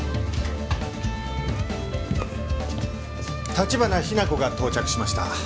橘日名子が到着しました。